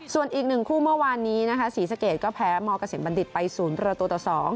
ส่วนอีกหนึ่งคู่เมื่อวานนี้นะคะศรีสเกตก็แพ้มกบัณฑิตไป๐ตัวตัว๒